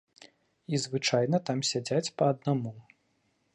І звычайна там сядзяць па аднаму.